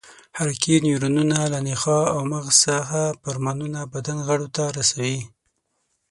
حرکي نیورونونه له نخاع او مغز څخه فرمانونه بدن غړو ته رسوي.